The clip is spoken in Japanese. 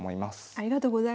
ありがとうございます。